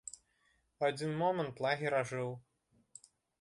У адзін момант лагер ажыў.